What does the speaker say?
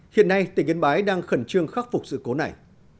hiện nay tỉnh yên bái đang khẩn trương khắc phục sự cố này